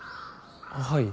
はい。